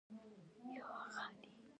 اوږه پیاوړې دي.